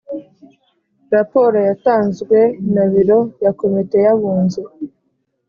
Raporo yatanzwe na biro ya komite y abunzi